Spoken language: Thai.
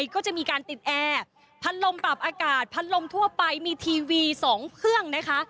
ก็จะมีการติดแอร์พันลมปรับอากาศพันลมทั่วไปมีทีวี๒เครื่องนะคะ